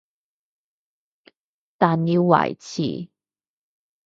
但要維持